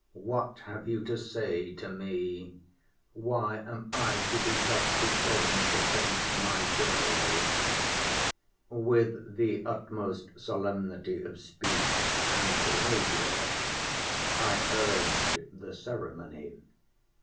What have you to say to me? Why am I to be thus detained against my will? With the utmost solemnity of speech and behaviour, I urged the ceremony.